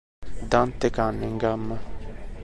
Dante Cunningham